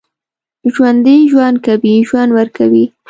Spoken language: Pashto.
ژوندي ژوند کوي، ژوند ورکوي